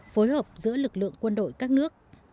phối hợp giữa lực lượng quân đội các nước